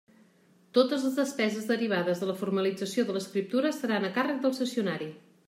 Totes les despeses derivades de la formalització de l'escriptura seran a càrrec del cessionari.